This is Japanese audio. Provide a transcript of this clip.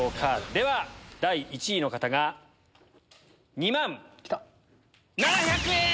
では第１位の方が２万７００円！